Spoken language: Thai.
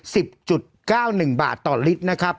สิบจุดเก้าหนึ่งบาทต่อลิตรนะครับ